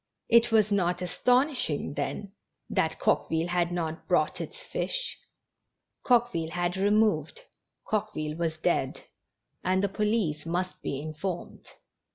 It was not astonishing, then, that Coqueville had not brought its fish! Coqueville had removed, Coquevihe was dead, and the police must be informed*. M.